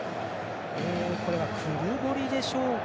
これはクルボリでしょうか。